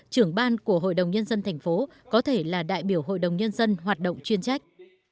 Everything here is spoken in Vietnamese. trưởng ban của hội đồng nhân dân thành phố có thể là đại biểu hội đồng nhân dân hoạt động chuyên trách